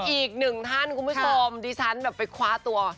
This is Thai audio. อีกหนึ่งท่านคุณผู้ชมดิฉันแบบไปคว้าตัว